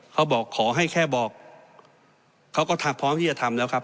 ขอให้แค่บอกเขาก็พร้อมที่จะทำแล้วครับ